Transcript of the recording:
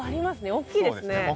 大きいんですよね。